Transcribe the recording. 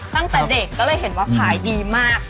ตั้งแต่เด็กก็เลยเห็นว่าขายดีมาก